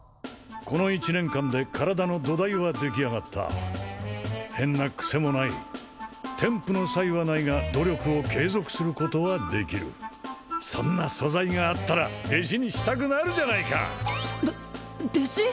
この１年間で体の土台は出来上がった変なクセもない天賦の才はないが努力を継続することはできるそんな素材があったら弟子にしたくなるじゃないかで弟子！？